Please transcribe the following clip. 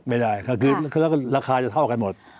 ไม่ได้ค่ะคือแล้วก็ราคาจะเท่ากันหมด